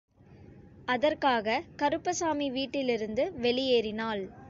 அதற்காக கருப்பசாமி வீட்டிலிருந்து வெளியேறினாள்.